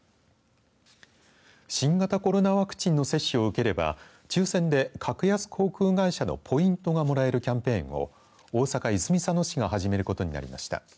新型コロナワクチンの接種を受ければ抽選で格安航空会社のポイントがもらえるキャンペーンを大阪、泉佐野市が始めることになりました。